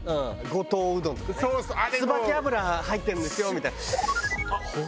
「椿油入ってるんですよ」みたいな。